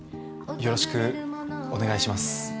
よろしくお願いします。